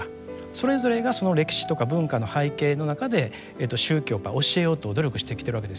それぞれがその歴史とか文化の背景の中で宗教をやっぱり教えようと努力してきてるわけですよね。